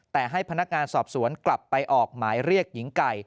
แต่ให้พนักงานสอบสวนกลับไปออกหมายเรียกหญิงไก่